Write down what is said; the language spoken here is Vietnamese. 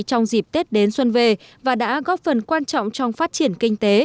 trong dịp tết đến xuân về và đã góp phần quan trọng trong phát triển kinh tế